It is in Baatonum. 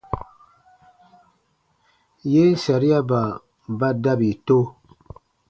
Yen sariaba ba dabi to.